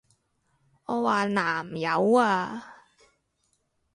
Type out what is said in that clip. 我話南柚啊！